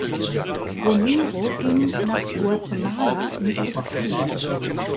Romero ging nach Guatemala ins Exil.